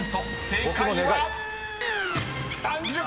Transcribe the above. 正解は⁉］